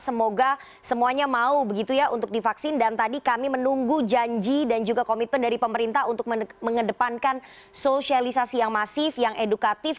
semoga semuanya mau begitu ya untuk divaksin dan tadi kami menunggu janji dan juga komitmen dari pemerintah untuk mengedepankan sosialisasi yang masif yang edukatif